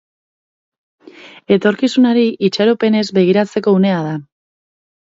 Etorkizunari itxaropenez begiratzeko unea da.